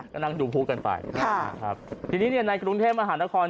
ก็นั่งดูพูกันไปค่ะครับทีนี้ในกรุงเทพฯมหานคร